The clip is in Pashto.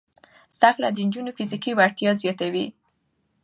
زده کړه د نجونو فزیکي وړتیا زیاتوي.